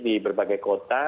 di berbagai kota